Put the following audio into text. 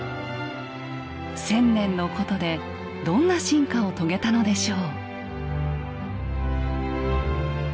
千年の古都でどんな進化を遂げたのでしょう。